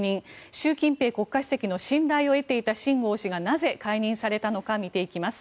習近平国家主席の信頼を得ていた秦剛氏がなぜ、解任されたのか見ていきます。